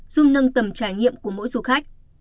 giúp nâng tầm trải nghiệm của mỗi du khách